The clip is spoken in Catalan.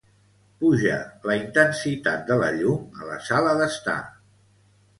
Puja la intensitat de la llum a la sala d'estar.